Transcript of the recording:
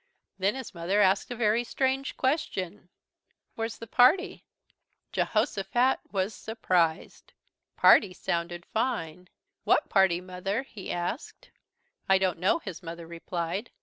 Then his mother asked a very strange question: "Where's the party?" Jehosophat was surprised. "Party" sounded fine. "What party, Mother?" he asked. "I don't know," his mother replied.